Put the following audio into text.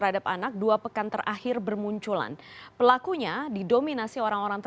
dan ini hanya sebagian